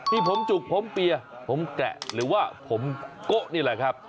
ที่ผมจุกผมเปียผมแกะหรือว่าผมโกะนี่แหละครับ